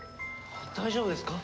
大丈夫ですか？